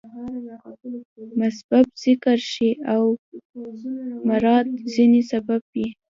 مسبب ذکر شي او مراد ځني سبب يي.